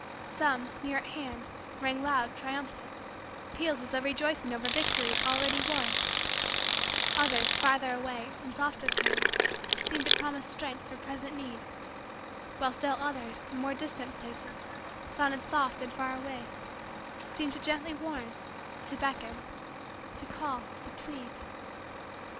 Some, near at hand, rang loud, triumphant, peals as though rejoicing over victories already won; others, farther away, in softer tones, seemed to promise strength for present need; while still others, in more distant places, sounding soft and far away, seemed to gently warn, to beckon, to call, to plead.